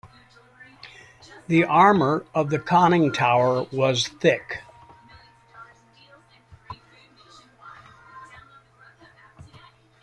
The armour of the conning tower was thick.